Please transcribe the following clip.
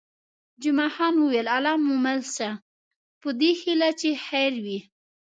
جمعه خان وویل: الله مو مل شه، په دې هیله چې خیر وي.